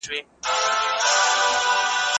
د دغو ټولو کلمو ټولیزه مانا ورته ده.